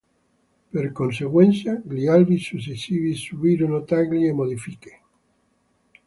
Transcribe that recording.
Per conseguenza, gli albi successivi subirono tagli e modifiche.